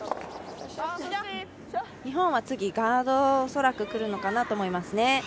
日本は次ガード、恐らく来るのかなと思いますね。